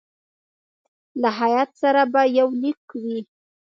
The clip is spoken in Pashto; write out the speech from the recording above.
له هیات سره به یو لیک وي.